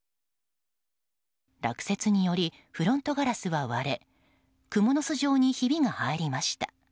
落雪によりフロントガラスは割れクモの巣状にひびが入りました。